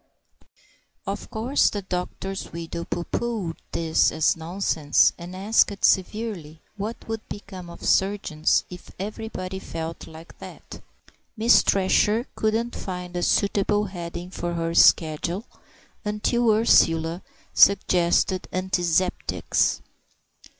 Of course the doctor's widow pooh poohed this as nonsense, and asked severely what would become of surgeons if everybody felt like that! Miss Thresher couldn't find a suitable heading for her schedule, till Ursula suggested "Antizeptics."